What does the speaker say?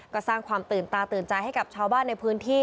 ก็สร้างความตื่นตาตื่นใจให้กับชาวบ้านในพื้นที่